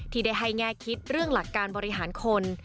ที่ได้ให้แง่คิดเรื่องหลักการบริหารคน